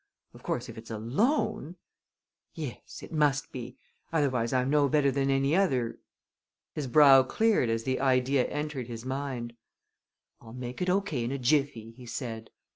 Of course if it's a loan yes, it must be. Otherwise I'm no better than any other " His brow cleared as the idea entered his mind. "I'll make it O. K. in a jiffy," he said.